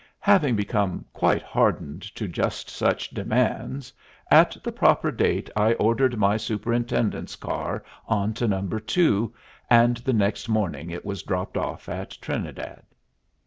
Having become quite hardened to just such demands, at the proper date I ordered my superintendent's car on to No. 2, and the next morning it was dropped off at Trinidad.